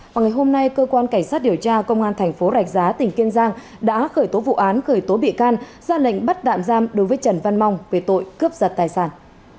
và ngày hôm nay cơ quan cảnh sát điều tra công an tp đạch giá tỉnh kiên giang đã khởi tố vụ án khởi tố bị can ra lệnh bắt đạm giam đối với trần văn mong về tội cướp giật tài sản